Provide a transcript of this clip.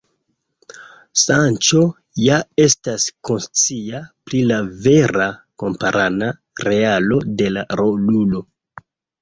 Sanĉo ja estas konscia pri la vera kamparana realo de la rolulo.